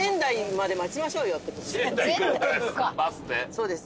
そうです。